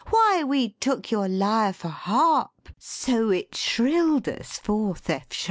Why, we took your lyre for harp, So it shrilled us forth F sharp!'